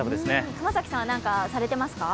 熊崎さんは何かされていますか？